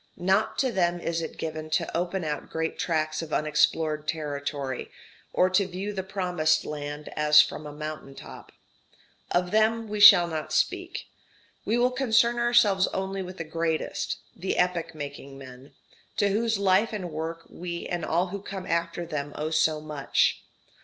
Not to them is it given to open out great tracts of unexplored territory, or to view the promised land as from a mountain top. Of them we shall not speak; we will concern ourselves only with the greatest, the epoch making men, to whose life and work we and all who come after them owe so much.